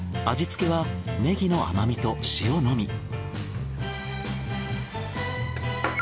味付けはネギの甘みと塩のみ。